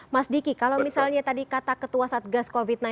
mas diki kalau misalnya tadi kata ketua satgas covid sembilan belas